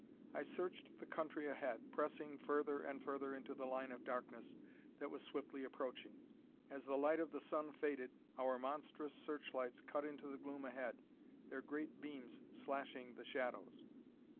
I searched the country ahead, pressing further and further into the line of darkness that was swiftly approaching. As the light of the sun faded, our monstrous searchlights cut into the gloom ahead, their great beams slashing the shadows.